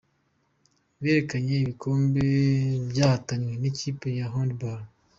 Berekanye ibikombe byatahanywe n’ikipe ya hand ball.